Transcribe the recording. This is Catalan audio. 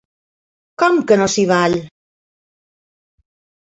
Com que no s'hi val?